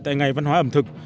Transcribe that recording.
tại ngày văn hóa ẩm thực